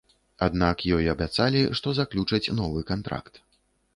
Аднак ёй абяцалі, што заключаць новы кантракт.